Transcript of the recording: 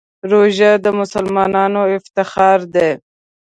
روژه د مسلمانانو افتخار دی.